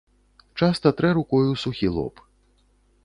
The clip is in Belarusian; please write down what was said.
Часта трэ рукою сухі лоб.